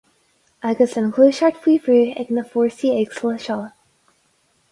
Agus an Ghluaiseacht faoi bhrú ag na fórsaí éagsúla seo.